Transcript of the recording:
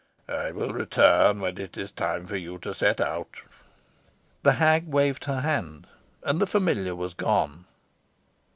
I will return when it is time for you to set out." The hag waved her hand, and the familiar was gone.